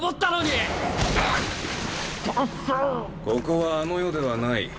ここはあの世ではない。